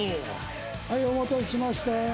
はい、お待たせしました。